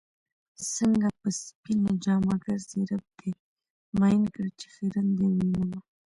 څنګه په سپينه جامه ګرځې رب دې مئين کړه چې خيرن دې ووينمه